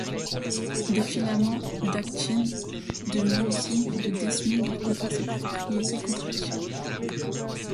Des filaments d'actine, de myosine et de desmine leur confèrent ces propriétés contractiles.